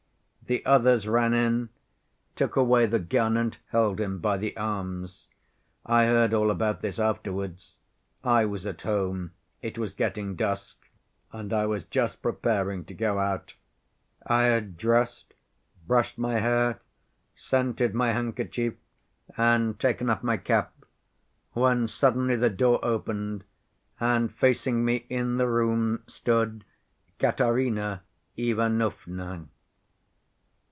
The others ran in, took away the gun, and held him by the arms. I heard all about this afterwards. I was at home, it was getting dusk, and I was just preparing to go out. I had dressed, brushed my hair, scented my handkerchief, and taken up my cap, when suddenly the door opened, and facing me in the room stood Katerina Ivanovna.